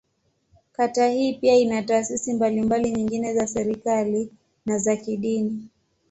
Kata hii pia ina taasisi mbalimbali nyingine za serikali, na za kidini.